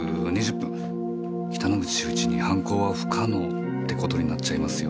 北之口秀一に犯行は不可能って事になっちゃいますよ。